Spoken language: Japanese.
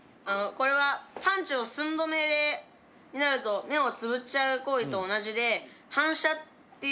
あのこれはパンチを寸止めになると目をつぶっちゃう行為と同じで。